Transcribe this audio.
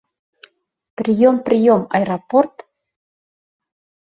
— Приём приём... аэропорт?!